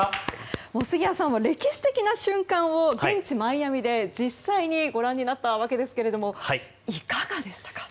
杉谷さんは歴史的な瞬間を現地マイアミで実際にご覧になったわけですけれどもいかがでしたか？